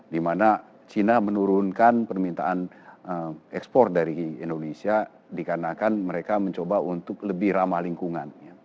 dimana china menurunkan permintaan ekspor dari indonesia dikarenakan mereka mencoba untuk lebih ramah lingkungan